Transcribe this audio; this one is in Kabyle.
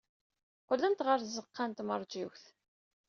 Qqlent ɣer tzeɣɣa n tmeṛjiwt.